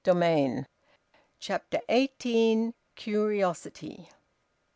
VOLUME TWO, CHAPTER EIGHTEEN. CURIOSITY.